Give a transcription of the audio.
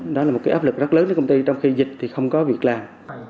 đó là một cái áp lực rất lớn cho công ty trong khi dịch thì không có việc làm